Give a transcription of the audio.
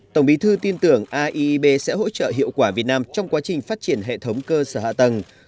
tổng bí thư tin tưởng aib sẽ hỗ trợ hiệu quả việt nam trong quá trình phát triển hệ thống cơ sở hạ tầng